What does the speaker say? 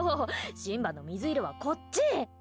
シンバの水入れはこっち！